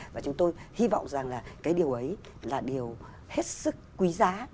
và chúng tôi hy vọng rằng là cái điều ấy là điều hết sức quý giá